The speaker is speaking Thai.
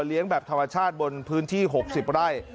แบบธรรมชาติบนพื้นที่๖๐ไร่